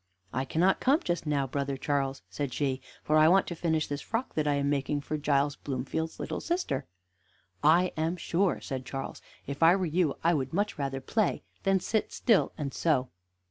"I cannot come just now, brother Charles," said she; "for I want to finish this frock that I am making for Giles Bloomfield's little sister." "I am sure," said Charles, "if I were you, I would much rather play than sit still and sew."